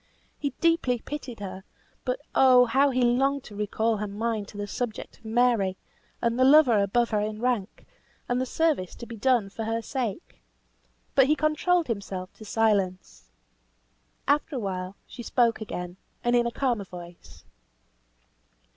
He deeply pitied her; but oh! how he longed to recall her mind to the subject of Mary, and the lover above her in rank, and the service to be done for her sake. But he controlled himself to silence. After awhile, she spoke again, and in a calmer voice.